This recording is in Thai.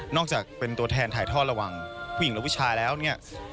อกจากเป็นตัวแทนถ่ายทอดระหว่างผู้หญิงและผู้ชายแล้วเนี่ย